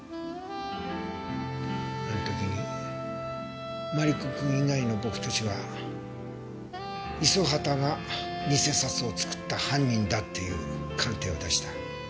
あの時もマリコ君以外の僕たちは五十畑が偽札を作った犯人だっていう鑑定を出した。